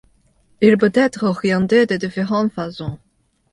Il peut être orienté de différentes façons.